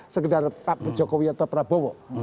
sekedar pak jokowi atau prabowo